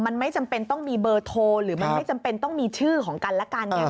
มันไม่จำเป็นต้องมีเบอร์โทรหรือมันไม่จำเป็นต้องมีชื่อของกันและกันเนี่ย